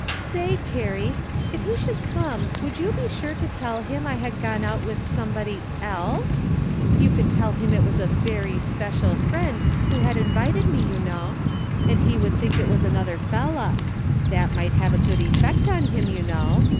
Say, Carrie, if he should come would you be sure and tell him I had gone out with somebody else f — you could tell him it was a very special friend who had invited me, you know, and he would think it was another fellah. That might have a good effect on him, you know.